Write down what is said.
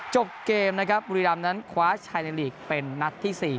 จบเกมนะครับบุรีรำนั้นคว้าชัยในลีกเป็นนัดที่๔